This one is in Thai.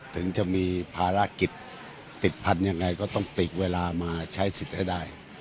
ถึงจะมีภารกิจติดพันธุ์ยังไงก็ต้องปลีกเวลามาใช้สิทธิ์ให้ได้